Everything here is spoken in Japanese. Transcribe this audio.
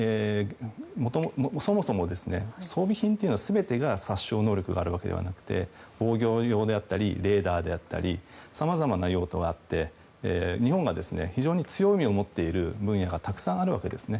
そもそも装備品というのは全てが殺傷能力があるわけじゃなくて防御用であったりレーダーであったりさまざまな用途があって日本は非常に強みを持っている分野がたくさんあるわけです。